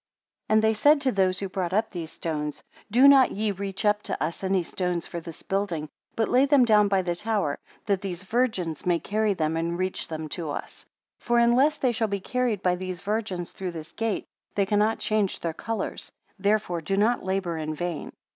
38 And they said to those who brought these stones; Do not ye reach up to us any stones for this building, but lay them down by the tower, that these virgins may carry them and reach them to us. 39 For unless they shall be carried by these virgins through this gate, they cannot change their colours: therefore do not labour in vain.